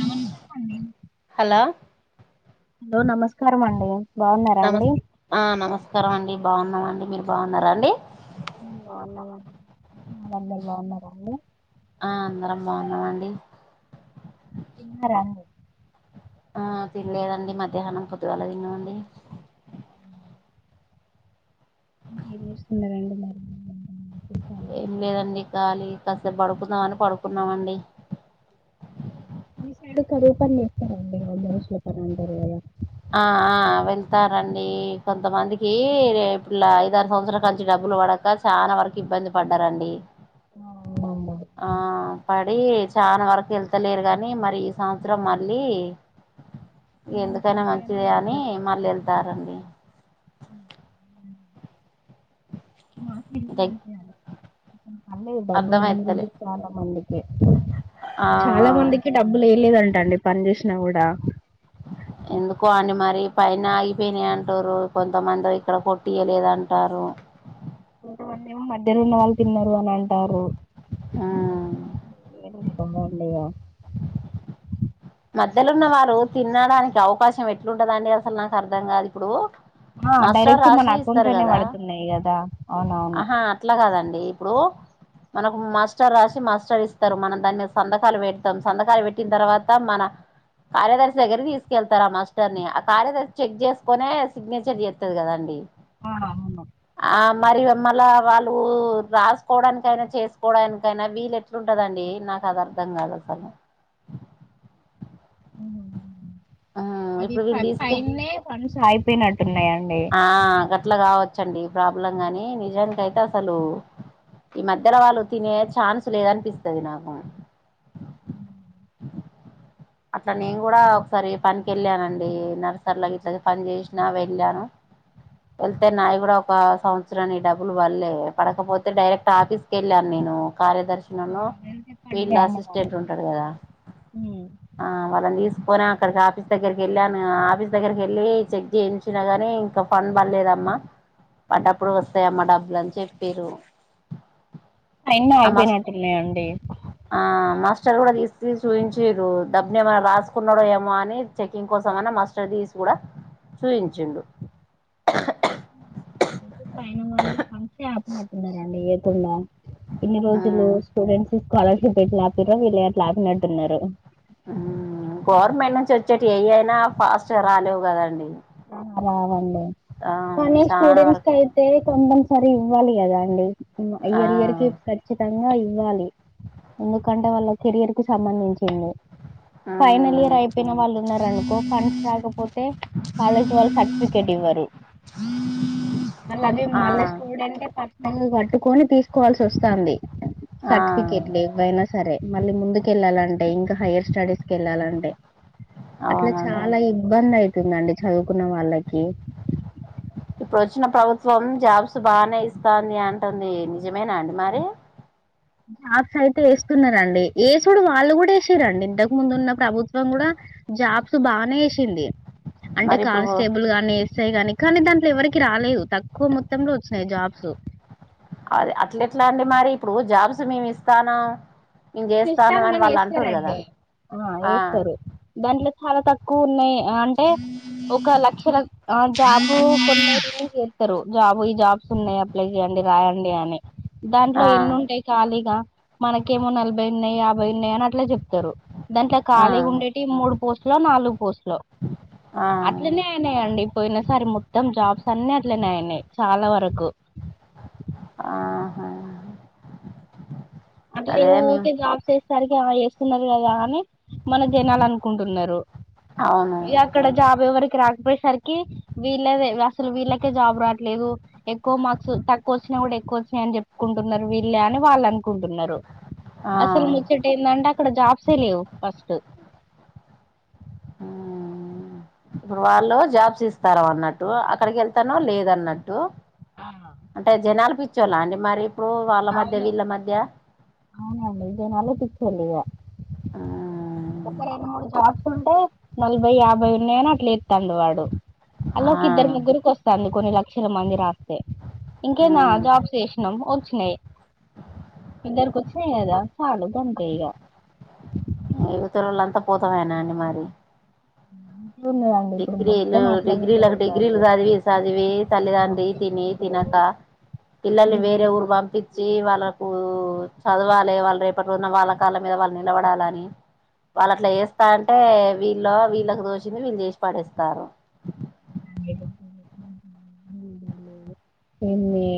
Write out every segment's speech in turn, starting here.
నమస్తే అండీ hello hello నమస్కారం అండి బాగున్నారా అండి నమస్ ఆ నమస్కారం అండి బాగున్నామండి మీరు బాగున్నారా అండి మ్ బాగున్నమండి మీరందరు బాగున్నారా అండి ఆ అందరం బాగున్నామండి తిన్నర అండి ఆ తినలేదండి మధ్యాహ్నం పొద్దుగల తిన్నమండీ అవునా ఎం చేస్తున్నారండి మరీ ఏం లేదండి ఖాళీ కాసేపు పడుకుందామని పడుకున్నామండి ఇటు సైడు కరువు పని చేస్తునమండి వంద రోజుల పని అంటారు కదా ఆ ఆ వెళ్తారండి కొంతమందికి రెప్పిల్ల ఐదారు సంవత్సరాలు కాంచీ డబ్బు డబ్బులు పడక చానా వరకు ఇబ్బంది పడ్డారండి ఆ అవునండి. ఆ పడీ చానా వరకు ఎళ్తలేరు గానీ మరి ఈ సంవత్సరం మళ్ళీ ఉంహు ఎందుకైనా మంచిదే అని మల్లెల్తరండి మా [unintelligible] అంటే అసలు పడ్లేదు డబ్బులు ఇన్ని అర్థమైతలే రోజులు చాలా మందికి చాలా ఆ మందికి డబ్బులు ఎయ్యలేదంటండి పని జేసినా గూడ ఎందుకో అండి మరి పైన ఆగిపోయినాయి అంటూరు కొంతమంది ఇక్కడ కొట్టియలేదంట కరము కొంతమందేమో మధ్యలో ఉన్న వాళ్ళు తిన్నారు అని అంటారు మ్ ఎక్కువ తినమన్లు ఇగ మధ్యలో ఉన్న వారు తినడానికి అవకాశం ఎట్లుంటదండి అసలు నాకు అర్ధం కాదు ఇప్పుడు ఆ మాస్టర్ డైరెక్ట్ రాసి మన అకౌంట్ ఇస్తారు లోనే కదా పడుతున్నాయి కదా అవునవును ఆహా అట్లా కాదండి ఇప్పుడు మనకు మాస్టర్ రాసి మాస్టర్ ఇస్తారు. మనం దాన్ని సంతకాలు పెడతాం. సంతకాలు పెట్టిన తర్వాత మన కార్యదర్శి దగ్గర తీసుకెళ్తారు. ఆ మాస్టర్ ని ఆ కార్యదర్శి చెక్ చేసుకునే సిగ్నేచర్ చేస్తది కదండి. ఆహా అవును ఆ మరి మళ్ల వాళ్ళు రాసుకోవడానికైనా చేసుకోవడానికైనా వీలు ఎట్లుంటదండి నాకు అద అర్థం కాదసలు అవి ఇప్పుడు వీళ్ళు తీస్తే ఫైన్నే ఫన్స్ అయిపోయినట్టు ఆ గట్లా కావచ్చండి ప్రాబ్లం గాని నిజానికి అయితే అసలు ఈ మధ్యలో వాళ్ళు తినే ఛాన్స్ లేదనిపిస్తది నాకు అట్లా నేను కూడా ఒకసారి పనికి వెళ్ళానండి. నర్సర్ ఇట్లా పని చేసినా వెళ్ళాను. వెళ్తే నాయి కూడా ఒక సంవత్సరాన్ని డబ్బులు పల్లే పడకపోతే డైరెక్ట్ ఆఫీస్ కి వెళ్ళాను నేను ఆ కార్యదర్శినను వెళ్తే ఫీల్డ్ పండి అసిస్టెంట్ ఉంటడు కదా ఆ వాళ్ళని తీసుకొని అక్కడికి ఆఫీస్ దగ్గరికి వెళ్ళాను. ఆఫీస్ దగ్గరకి వెళ్ళి చెక్ చేయించినాగాని ఇంకా పల్లేదమ్మా పడ్డప్పుడు వస్తాయమ్మా డబ్బులు అని చెప్పారు. యిన్న ఆయిపోయినాయి అంటినే అండి సర్వర్ తీసి చూయించురు డబ్బుని ఏమైన్నా రాసుకున్నాడో ఏమో అని చెకింగ్ కోసం ఏమనా మస్టర్ తీసి కూడా చూయించిండు తే పైన వాళ్ళు పన్సి ఆపినట్టున్నారండి ఎప్పుడులా ఇన్ని రోజులు ఉమ్ స్టూడెంట్స్ స్కాలర్షిప్ ఇట్ల ఆపిర వీళ్ళు ఏ అట్లా ఆపినట్టున్నార గవర్నమెంట్ నుంచి వచ్చేటి ఏయ అయినా ఫాస్ట్గా రాలేవు కదండి. ఆ రావండి ఆ కానీ చానా స్టూడెంట్స్ వరకు కయితే కొం సరీ ఇవ్వాలి కదా అండి ఆ ఇయర్ ఇయర్ కి ఖచ్చితంగా ఇవ్వాలి ఎందుకంటే వాళ్ళ కెరియర్ కు సంబంధించింది ఫైనల్ ఉమ్ ఇయర్ అయిపోయిన వాళ్ళు ఉన్నారు అనుకో ఫండ్స్ రాకపోతే కాలేజీ వాళ్ళ సర్టిఫికెట్ ఇవ్వరు మళ్ళీ అది ఆ మళ్ళీ స్టూడెంట్ పట్టలు కట్టుకొని తీసుకోవాల్సి వస్తాంది ఆ సర్టిఫికెట్లు ఇవైనా సరే మళ్ళీ ముందుకి వెళ్ళాలంటే ఇంకా హయర్ స్టడీస్ క వెళ్ళాలింటే అట్లా అవునండి చాలా ఇబ్బంది అవుతుందండి. చదువుకున్న వాళ్ళకి ఇప్పుడు వచ్చిన ప్రభుత్వం జాబ్స్ బాగానే ఇస్తాంది అంటుంది. నిజమేనా అండి మరి. జాబ్స్ అయితే వేస్తున్నారండి. వేసుడు వాళ్ళు కూడా వేసిరండి. ఇంతకు ముందు ఉన్న ప్రభుత్వం కూడా జాబ్స్ బానే వేసింది అంటే మరి ఇప్పుడు కానిస్టేబుల్ గాని వే వస్తాయి గాని కానీ దాంట్లో ఎవరికి రాలేదు. తక్కువ మొత్తంలో వచ్చినాయి జాబ్స్ అదే అట్లేట్లా అండి మరి ఇప్పుడు జాబ్స్ మేమి ఇస్తాన ఇస్తారు మల్లా ఏస్తారండి ఆ వేస్తరు దాంట్లో చాలా తక్కువ ఉన్నాయి అంటే ఒక లక్షల ద ఆ జాబు కొనేదిని చేస్తారు జాబ్ ఈ జాబ్స్ ఉన్నాయి అప్లై చేయండి రాయండి అని దాంట్లో ఆ ఎన్ని ఉంటాయి ఖాళీగా మనకేమో నలభై ఉన్నాయి యాభై ఉన్నాయి అని అట్లే చెప్ స్తరు దాంట్లో ఆ ఖాళీగా ఉండేటివి మూడు పోస్టు లో నాలుగు పోస్ట్లు ఆ అట్లనే అయినాయండి. పోయిన సారి మొత్తం జాబ్స్ అన్నీట్లనేయని చాలా వరకు ఆహా అంటే అదే మేము ఊరికే జాబ్ చేసరికి ట్రై వస్తున్నారు కదా అని మన జనాల అనుకుంటున్నారు. అవును ఇగ అక్కడ జాబ్ ఎవరికి రా పోయేసరికి వీళ్ళదే అసలు వీళ్ళకే జాబ్ రావట్లేదు. ఎక్కువ మార్క్స్ తక్కువ వచ్చినా కూడా ఎక్కువ వచ్చినయ్ అని చెప్పుకుంటున్నరు వీళ్ళే అని వాళ్ళు అనుకుంటున్నరు. ఆ అసలు ముచ్చట ఏందంటే అక్కడ జాబ్సే లేవు ఫస్ట్. ఆహా ఇప్పుడు వాళ్ళు జాబ్స్ ఇస్తారా అన్నట్టు అక్కడికి వెళ్తానో లేదన్నట్టు అంటే జనాలు పిచ్చోళ్ళ అండి మరి ఇప్పుడు వాళ్ళ మధ్య అవును వీళ్ళ మధ్య అవున అండి జనాలే పిచ్చోళ్ళు ఇగ ఉమ్. ఒక రెండు మూడు షాప్స్ ఉంటే నలభై యాభై ఉన్నాయని అట్లే ఎతండు వాడు ఆ అల్లోక ఇద్దరు ముగ్గురికి వస్తంది కొన్ని లక్షల మంది రా ఇంకేన్ది ఆ ఉమ్. జాబ్స్ వెసినాం వచ్చినయి ఇద్దరికి వచ్చినాయి కదా చాలు గంతే ఇగా ఇవతలోళ్లంతా పోతమాయేనా అండి మరి [inaudible] ఇప్పుడు డిగ్రీలు మొత్తం అట్లనే డిగ్రీలకు జరుగుతాంది డిగ్రీలు చదివి చదివి తల్లితండ్రి తిని తినక పిల్లల్ని వేరే ఊరు పంపించ్చి వాళ్ళకు చదవాలి వాళ్ళు రేపటి రోజున వాళ్ళ కాళ్ళ మీద వాళ్ళు నిలబడాలని వాళ్ళ అట్లా జేత్త అంటే వీళ్ళ వీళ్ళకి తోచింది వీళ్ళు చేసి పడేస్తార్రు [inaudible] ఎన్ని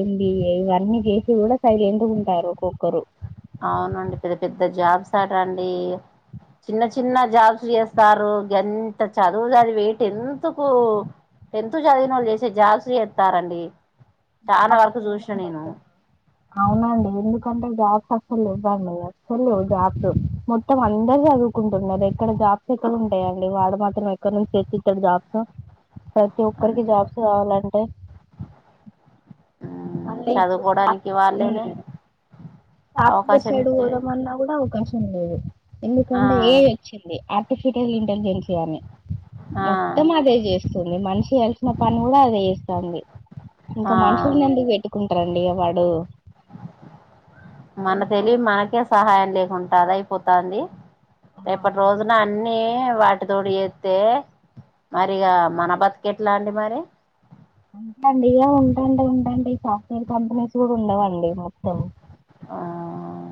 ఎది ఇవన్నీ చేసి కూడా సైలెంట్ గా ఉంటారు ఒక్కొక్కరు అవునండి పెద్ద పెద్ద జాబ్స్ అటండి చిన్న చిన్న జాబ్స్ చేస్తార్రు గంత చదువు చదివి టెన్త్ కు టెన్త్ చదివిన వాళ్ళు చేసే జాబ్స్ చేస్తార్రాండి అవునండి ఎందుకంటే జాబ్స్ లేవండి అసలు లేవు జాబ్స్ మొత్తం అందరు చదువుకుంటున్నారు ఎక్కడ జాబ్స్ ఎక్కడ ఉంటాయా వాడు మాత్రం ఎక్కడ నుంచి తెచ్చిస్తడు జాబ్స్ ప్రతి అంతే ఒక్కరికి జాబ్స్ కావాలంటే అంటే ఇప్పుడు ఖా చదువుకోవడానికి హూ వాళ్ళేనే సాఫ్ట్వేర్ అవకాశం సైడ్ ఇచ్చేది పోదామన్నా కూడా అవకాశం లేదు ఆ ఎందుకంటే ఏఐ వచ్చింది ఆప్టిఫీటల్ ఇంటలిజెన్సీ అని ఆ మొత్తం అదే చేస్తుంది మనిషి చేయాల్సిన పని కూడా అదే చేస్తుంది ఆ ఇంకా మనుషుల్ని ఎందుకు పెట్టుకుంటారండి వాడు మన ఇంకా తెలివి మనకే సహాయం లేకుండా అది అయిపోతంది రేపటి రోజున అన్ని వాటితోటి చేస్తే మరిగా మన బతుకు ఎట్లా అండి మరి డి ఉంటాఅంటే ఉంటాఅంటే ఈ సాఫ్ట్వేర్ కంపెనీస్ కూడా ఉండవండి మొత్తం ఆ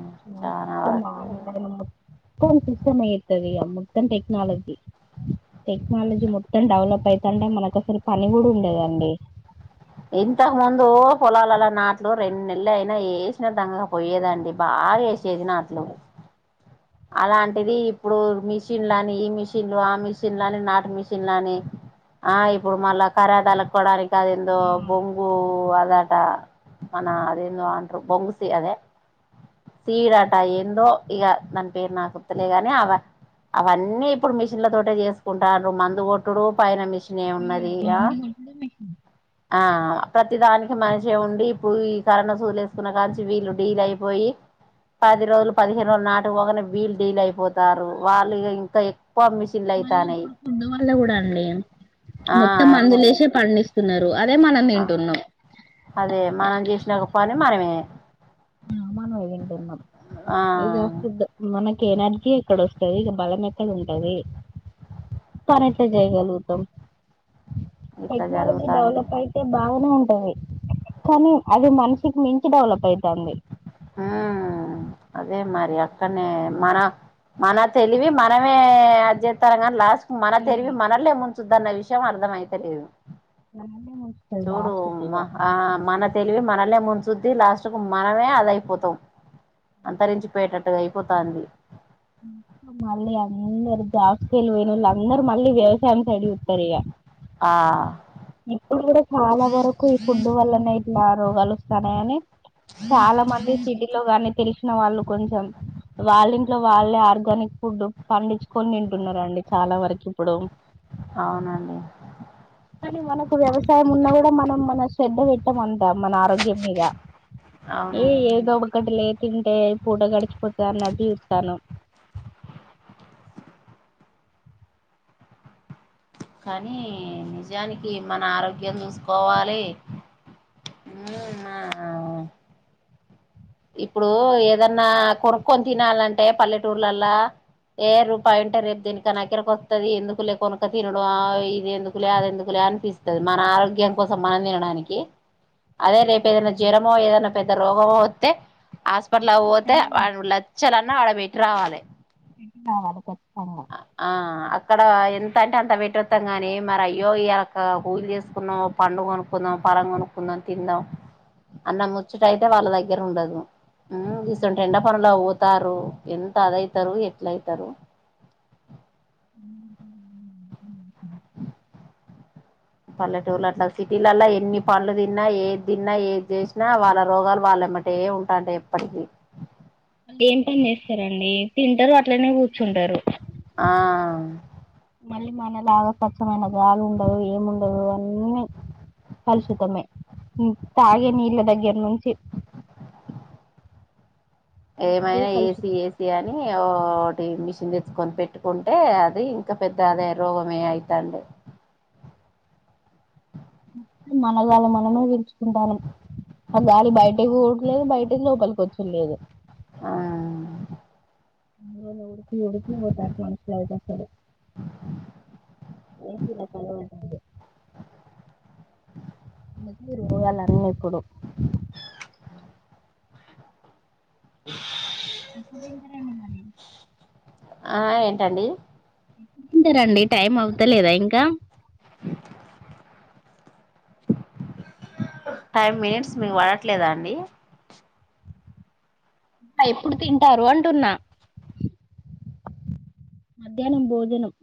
చాలా మొత్తం వరకు ఆన్లైన్ మో సిస్టమే చేస్తది మొత్తం టెక్నాలజీ టెక్నాలజీ మొత్తం డెవలప్ ఐతంటే మనకు అసలు పని కూడా ఉండదండి ఇంతకు ముందు పొలాలల్ల నాట్లు రెండు నెలలైనా వేసినా దంగక పోయేదండి బా ఆగేసేది నాట్లు అలాంటిది ఇప్పుడు మిషన్లని ఈ మిషన్లు ఆ మిషన్లని నాటు మిషన్లని ఆ ఇప్పుడు మళ్ళా ఖరాదలుక్కోవడానికి అది ఏందో బొంగు అద అంతా మన అదేందో అంట్రూ బొంగుసి అదే సీడట ఏందో ఇగా దాని పేరు నాకు గుర్తులేగాని ఆ అవన్నీ ఇప్పుడు మిషన్ల తోటే చేసుకుంటార్రు మందు కొట్టుడు పైన మిషన్ ఎం ఉన్నది ఆ మందు కొట్టుడు ఆ ప్రతిదానికి మనిషే ఉండి ఇప్పుడు ఈ కరోనా సూదులు వేసుకున్న కాంచి వీళ్ళు డీల్ అయిపోయి పది రోజులు పదిహేను రోజులు నాటుకు పోగానే వీళ్లు డీల్ అయిపోతారు వాళ్ళు ఇంకా ఏ మళ్ళీ ఇప్పుడు ఫుడ్ వల్ల కూడా అండి ఆ మొత్తం మందులు ఫుడ్ వేసే పండిస్ ఇత్తున్నారు అదే మనం తింటున్నాం అదే మనం చేసిన ఒక పని మనమే అ మనమే తింటున్నాం ఆ ఇగ ఫుడ్ మనక్ ఇం ఎనర్జీ ఎక్కడ వస్తుంది ఇక బలం ఎక్కడ ఉంటది పని ఎట్టా చేయగలుగుతమ్ ఇట్లా టెక్నాలజీ జరుగుతాంది డెవలప్ అయితే బాగానే ఉంటది కానీ అది మనసికి మించి డవలప్ యితుది హ అదే మరి అక్కనే మన మన తెలివి మనమే అది చేస్తార కానీ లాస్ట్ మన తెలివి మనలే ముంచుద్దన్న విషయం అర్థంమయితలేదు మననే ముంచుతది చూడు లాస్ట్ కి ఇగ మా ఆ మన తెలివి మనల్లే మున్ంచుద్ది లాస్ట్ మనమే అది అయిపోతాం అంతరించిపోయటట్టుగా అయిపో పోతంది మళ్ళీ అందరు జాబ్స్ కెళ్ళి పైనోళ్లంద్రు మళ్ళీ వ్యవసాయం సైడు చూస్తారు ఇగ ఆ ఇప్పుడు కూడా చాలా వరకు ఈ ఫుడ్ వల్లనే ఇట్లా రోగాలు ని చాలా మంది సిటీలో కాగాని తెలిసిన వాళ్ళు కొంచెం వాళ్ళ ఇంట్లో వాళ్ళే ఆర్గానిక్ ఫుడ్ పండించుకొని తింటున్నారుండి చాలా వరకు అవునండి కానీ మన వ్యవసయం ఉన్న కూడా మనం శ్రధ పెట్టం అంతా మన ఆరోగ్యం మీద అవును ఏ ఏదో ఒకకటి లే తింటే పూట గడిచిపోతుంది అన్నట్టు చూస్తాను కానీ నిజానికి మన ఆరోగ్యం చూసుకోవాలి ఉ అ అ ఇప్పుడు ఏదన్నా కొనుక్కొని తినాలంటే పల్లెటూర్లలా ఏ రూపాయింట రేపు దీనికి కనకిరకి వస్తుది ఎందుకు లే కొనుక తినడం ఇది ఎందుకు లేద ఎందుకు లే అనిపిస్తుంది మన ఆరోగ్యం కోసం మనం తినడానికి అదే రేపు ఏదైనా జ్వరమో ఏదనా పెద్ద రోగమో వస్తే హాస్పిటల్ పోతే వా లచ్చాలన్నా అడ పెట్టి రావాలి ఎ వానక ఆ అక్కడ ఎంత అంటే అంత పెడతాం కాని మరి అయ్యో ఇలా కూలి చేసుకున్నాం పండు కొనుకుందాం ఫలం కొనుక్కుందాం తిందాం అన్న ముచ్చుట అయితే వాళ్ళ దగ్గర ఉండదు గీసోంతి ఎండ పనులు పోతారు ఎంత అదవుతారు ఎట్ల అవుతారు [inaudible] పల్లెటూర్ల అట్లా సిటీలలా ఎన్ని పండ్లు తిన్నా ఏ తిన్నా ఏది చేసినా వాళ్ళ రోగాలు వాళ్ళ వల్లేబతే ఏ ఉంటాంటయీ ఎప్పటికీ ఏం పని చేస్తారండి తింటారు అట్లనే కూర్చుంటారు ఆ మళ్ళీ మనలాగా స్వచ్చ్చమైన గాలు ఉండవు ఏముండదు అన్నీ కాలుషతమే తాగే నీళ్ళ దగ్గర నుంచి [inaudible] ప్రతిదీ ఏమైనా ఏసి కలుషితమే ఏసి అని ఓటి మిషన్ తెచ్చుకొని పెట్టుకుంటే అది ఇంకా పెద్ద అదే రోగమే అయితండి [inaudible] మన గాలి మనమే పీల్చుకుంటానము ఆ గాలి బయటపోదు లేదు బయట లోపలికి వచ్చడులేదు ఆ అ ఉడుకి ఉడకి పోతారు మనుషులు ఐతే అసలు ఏసీ లకు అలవాటు పడి అందుకే రోగలన్నీ ఇప్పుడు [inaudible] ఇప్పుదంటర ఏమన్న ఆ ఏంటండి టారండి టైం అవతాలేదా ఇంకా [inaudible] ఫైవ్ మినిట్స్ మీకు పడట్లేదా అండి ఎప్పుడు తింటారు అంటున్నా మధ్యాహ్నం భోజనం